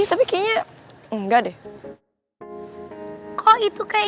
mengambil perhubungan dengan angel